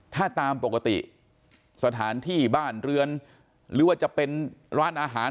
ถ้าตามปกติสถานที่บ้านเรือนหรือว่าจะเป็นร้านอาหาร